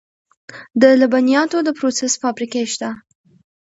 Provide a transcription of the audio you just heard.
د لبنیاتو د پروسس فابریکې شته